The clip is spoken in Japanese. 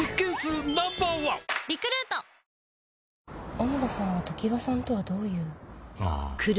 ・小野田さんは常葉さんとはどういう・あぁ